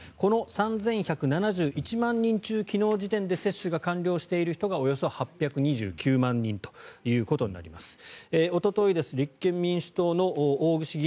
この３１７１万人中、昨日時点で接種が完了している人がおよそ８２９万人ということになります。